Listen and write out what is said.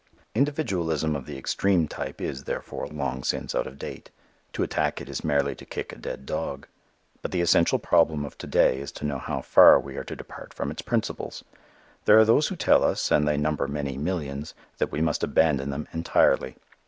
Individualism of the extreme type is, therefore, long since out of date. To attack it is merely to kick a dead dog. But the essential problem of to day is to know how far we are to depart from its principles. There are those who tell us and they number many millions that we must abandon them entirely.